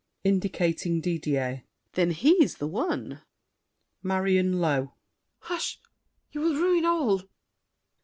[Indicating Didier. Then he's the one! MARION (low). Hush! You will ruin all!